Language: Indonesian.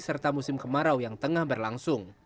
serta musim kemarau yang tengah berlangsung